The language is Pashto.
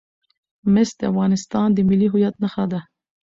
مس د افغانستان د ملي هویت نښه ده.